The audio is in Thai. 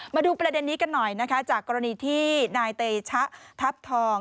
มาดูประเด็นนี้กันหน่อยนะคะจากกรณีที่นายเตชะทัพทอง